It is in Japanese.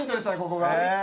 ここが」